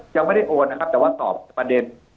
ยังไม่ได้โอนนะครับแต่ว่าตอบประเด็น